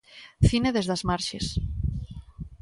Cine desde as marxes.